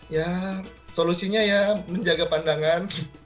ya solusinya ya menjaga pandangan